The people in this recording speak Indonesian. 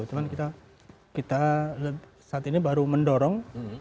cuma kita saat ini baru mendorong